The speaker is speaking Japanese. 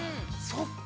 そっか。